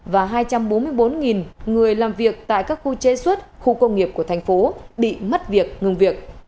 và hai trăm bốn mươi bốn người làm việc tại các khu chế xuất khu công nghiệp của thành phố bị mất việc ngừng việc